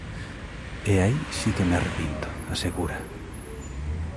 E aí si que me arrepinto, asegura.